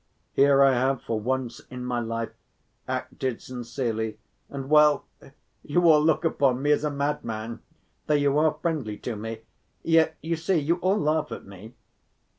Here I have for once in my life acted sincerely and, well, you all look upon me as a madman. Though you are friendly to me, yet, you see, you all laugh at me."